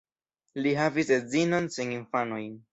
Li havis edzinon sen infanoj.